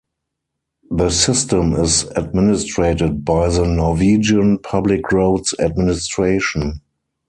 The system is administrated by the Norwegian Public Roads Administration.